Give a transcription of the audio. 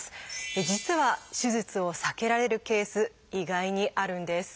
実は手術を避けられるケース意外にあるんです。